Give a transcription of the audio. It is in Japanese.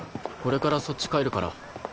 これからそっち帰るから。